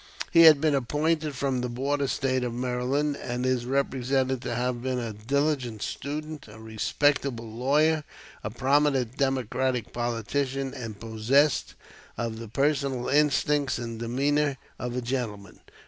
He had been appointed from the border State of Maryland, and is represented to have been a diligent student, a respectable lawyer, a prominent Democratic politician, and possessed of the personal instincts and demeanor of a gentleman.